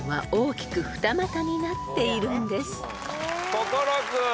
心君。